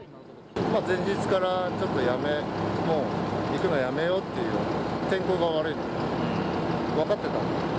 前日からちょっと、もう行くのやめようと、天候が悪いので、分かってたので。